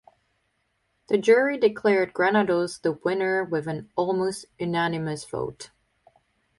The jury declared Granados the winner with an almost unanimous vote.